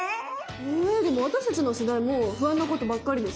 えでも私たちの世代も不安なことばっかりですよ。